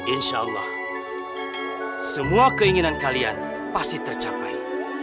insya allah semua keinginan kalian pasti tercapai